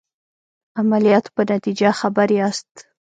عملیاتو په نتیجه خبر یاست.